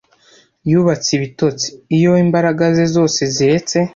Yubatse ibitotsi, iyo imbaraga ze zose ziretse